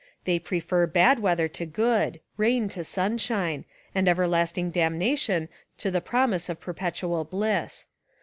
They prefer bad weather to good, rain to sunshine, and ever lasting damnation to the promise of perpetual bliss.